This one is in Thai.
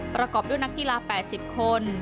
ประกอบด้วยนักกีฬา๘๐คน